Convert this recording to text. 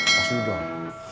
kasih dulu dong